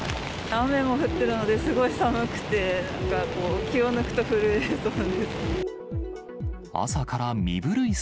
雨も降ってるので、すごい寒くて、なんか気を抜くと震えそうです。